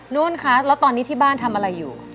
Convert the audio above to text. นู่นคะแล้วตอนนี้ที่บ้านทำอะไรอยู่